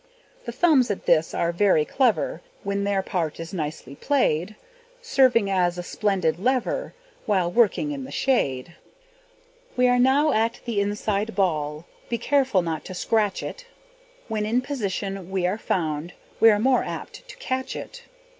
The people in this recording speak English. The thumbs at this are very clever, When their part is nicely played, Serving as a splendid lever, While working in the shade. We are now at the inside ball Be careful not to scratch it; When in position we are found We are more apt to catch it.